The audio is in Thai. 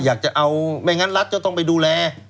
อยากจะเอาไม่งั้นรัฐก็ต้องไปดูแล